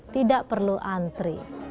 tidak perlu antri